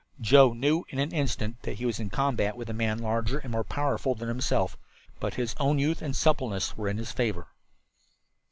Joe knew in an instant that he was in combat with a man larger and more powerful than himself, but his own youth and suppleness were in his favor.